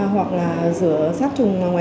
hoặc là rửa sát trùng